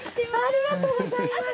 ありがとうございます。